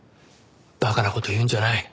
馬鹿な事言うんじゃない。